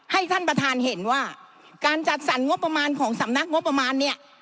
ให้ท่านประธานเห็นว่าการจัดสรรงบประมาณของสำนักงบประมาณเนี่ย